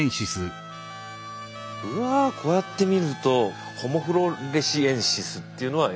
うわこうやって見るとホモ・フロレシエンシスっていうのはやっぱり。